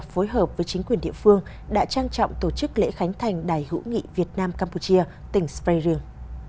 phối hợp với chính quyền địa phương đã trang trọng tổ chức lễ khánh thành đài hữu nghị việt nam campuchia tỉnh svaring